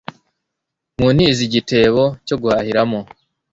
muntize igitebo cyo guhahira mo